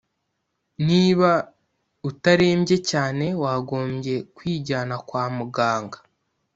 niba utarembye cyane wagombye kwijyana kwa muganga